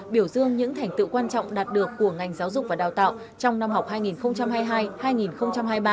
biểu dương những thành tựu quan trọng đạt được của ngành giáo dục và đào tạo trong năm học hai nghìn hai mươi hai hai nghìn hai mươi ba